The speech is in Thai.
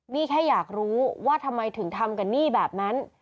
นี่แค่อยากรู้ว่าทำไมถึงทำกับหนี้แบบนั้น